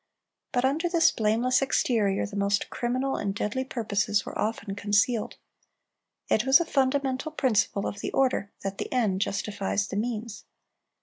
But under this blameless exterior the most criminal and deadly purposes were often concealed. It was a fundamental principle of the order that the end justifies the means.